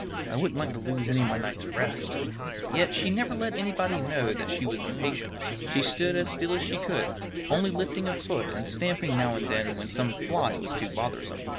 "I wouldn't like to lose any of my night's rest." Yet she never let anybody know that she was impatient. She stood as still as she could, only lifting a foot and stamping now and then when some fly was too bothersome.